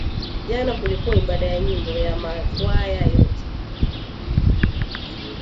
Jana kulikuwa ibada ya nyimbo ya ma kwaya yote